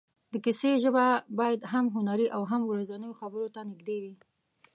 د کیسې ژبه باید هم هنري او هم ورځنیو خبرو ته نږدې وي.